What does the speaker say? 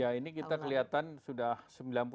ya ini kita kelihatan sudah sembilan puluh delapan